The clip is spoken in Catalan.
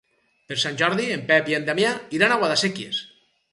Per Sant Jordi en Pep i en Damià iran a Guadasséquies.